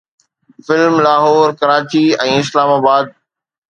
film Lahore, Karachi ۽ اسلام آباد